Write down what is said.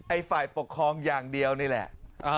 ฝ่ายปกครองอย่างเดียวนี่แหละ